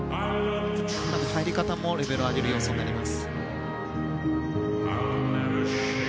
入り方もレベルを上げる要素になります。